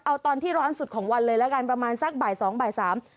เอาตอนที่ร้อนสุดของวันเลยแล้วกันประมาณสักบ่ายสองบ่ายสาม